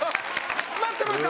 待ってました！